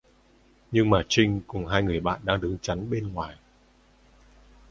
Nhưng mà Trinh cùng hai người bạn đang đứng chắn bên ngoài